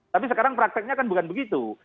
tapi sekarang prakteknya kan bukan begitu